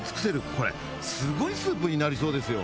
これすごいスープになりそうですよ